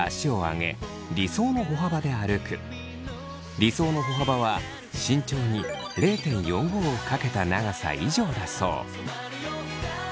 理想の歩幅は身長に０．４５を掛けた長さ以上だそう。